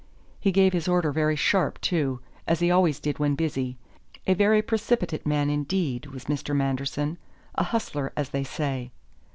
He gave his order very sharp, too, as he always did when busy. A very precipitate man indeed, was Mr. Manderson; a hustler, as they say."